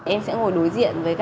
em sẽ ngồi đối diện với